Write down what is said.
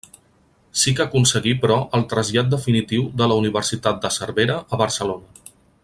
Sí que aconseguí, però, el trasllat definitiu de la Universitat de Cervera a Barcelona.